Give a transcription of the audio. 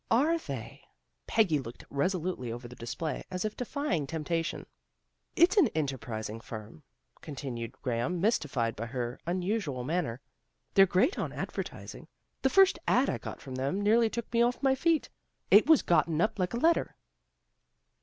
" Are they? " Peggy looked resolutely over the display, as if defying temptation. " It's an enterprising firm," continued Graham, mystified by her unusual manner. " They're great on advertising. The first ad. I got from them nearly took me off my feet. It was gotten up like a letter."